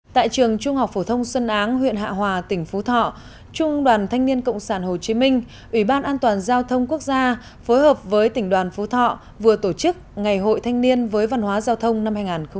tại trường trung học phổ thông xuân áng huyện hạ hòa tỉnh phú thọ trung đoàn thanh niên cộng sản hồ chí minh ủy ban an toàn giao thông quốc gia phối hợp với tỉnh đoàn phú thọ vừa tổ chức ngày hội thanh niên với văn hóa giao thông năm hai nghìn một mươi chín